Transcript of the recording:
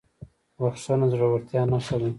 بښنه د زړهورتیا نښه ده.